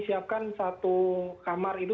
siapkan satu kamar itu